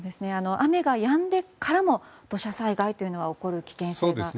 雨がやんでからも土砂災害というのは起こる危険性がありますね。